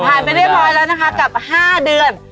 ผ่านไปได้พร้อมแล้วนะคะกับ๕เดือน